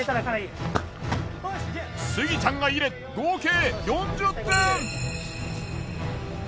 スギちゃんが入れ合計４０点。